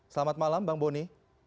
selamat malam bang boni